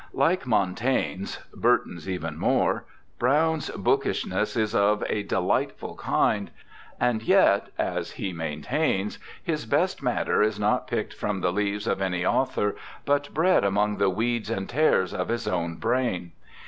Like Montaigne's— Burton's even more— Browne'sbook ishness is of a delightful kind, and yet, as he maintains, his best matter is not picked from the leaves of any author, but bred among the 'weeds and tares' of his own brain.